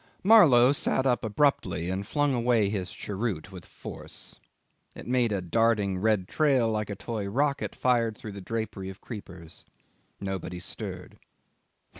Marlow sat up abruptly and flung away his cheroot with force. It made a darting red trail like a toy rocket fired through the drapery of creepers. Nobody stirred.